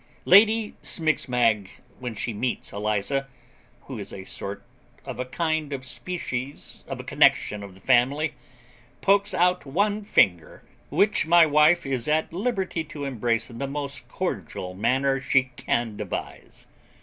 Lady Smigsmag, when she meets Eliza, who is a sort of a kind of a species of a connection of the family, pokes out one finger, which my wife is at liberty to embrace in the most cordial manner she can devise.